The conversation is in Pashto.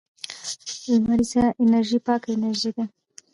لمریزه انرژي پاکه انرژي ده